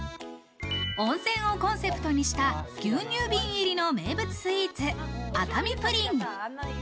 温泉をコンセプトにした牛乳瓶入りの名物スイーツ、熱海プリン。